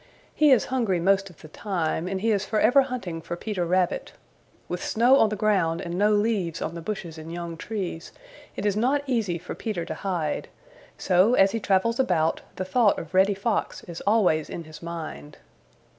He is hungry most of the time, and he is forever hunting for Peter Rabbit. With snow on the ground and no leaves on the bushes and young trees, it is not easy for Peter to hide. So, as he travels about, the thought of Reddy Fox is always in his mind.